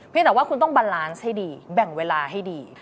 แต่ว่าคุณต้องบันลานซ์ให้ดีแบ่งเวลาให้ดี